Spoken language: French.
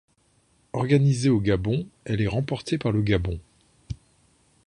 Organisée au Gabon, elle est remportée par le Gabon.